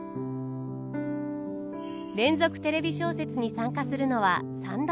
「連続テレビ小説」に参加するのは３度目。